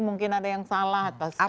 mungkin ada yang salah atau secara apa